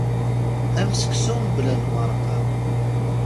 Am seksu mebla lmerqa.